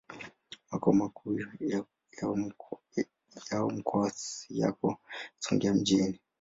Makao makuu ya mkoa yako Songea mjini.